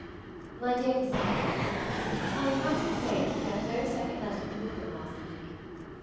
MY DEAR CASSANDRA, I am happy to say that we had no second letter from Bookham last week.